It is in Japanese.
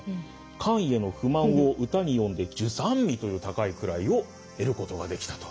官位への不満を歌に詠んで従三位という高い位を得ることができたと。